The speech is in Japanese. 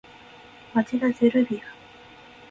町田ゼルビア